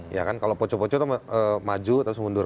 ya kan kalau poco poco itu maju terus mundur